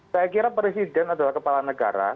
saya kira presiden adalah kepala negara